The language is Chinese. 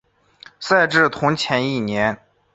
赛制同前一年。